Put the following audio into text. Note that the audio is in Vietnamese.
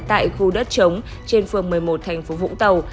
tại khu đất chống trên phường một mươi một thành phố vũng tàu